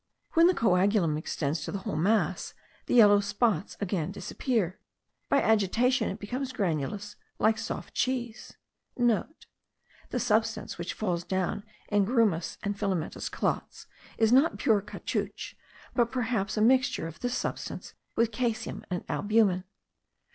When the coagulum extends to the whole mass, the yellow spots again disappear. By agitation it becomes granulous like soft cheese.* (* The substance which falls down in grumous and filamentous clots is not pure caoutchouc, but perhaps a mixture of this substance with caseum and albumen.